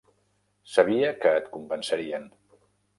Sabia que et convencerien.